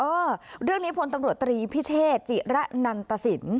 เออเรื่องนี้พลตำรวจตรีพิเชษจิระนันตสิน